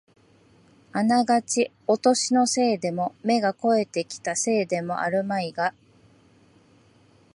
あながちお年のせいでも、目が肥えてきたせいでもあるまいが、